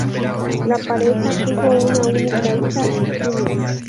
La pareja tuvo una única hija, Virginia.